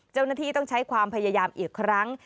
เจ้าหน้าที่ต้องใช้ความพยายามอีกครั้ง